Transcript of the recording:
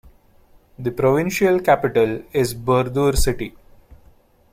The provincial capital is Burdur city.